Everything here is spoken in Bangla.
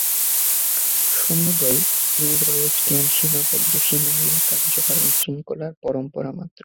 সমুদয় ইন্দ্রিয়জ জ্ঞান সীমাবদ্ধ, সীমাহীন কার্য-কারণ-শৃঙ্খলার পরম্পরা মাত্র।